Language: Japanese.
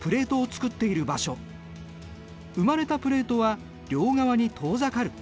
生まれたプレートは両側に遠ざかる。